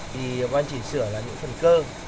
thì quan chỉnh sửa là những phần cơ